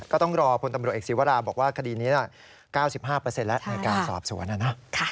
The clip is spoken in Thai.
ก็ต้องรอคนตำรวจเอกสิทธิ์วัดลาบอกว่าคดีนี้๙๕แล้วในการสอบสวน